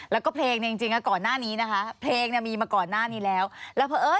แล้วก็เพลงจริงนะฝนหน้านี้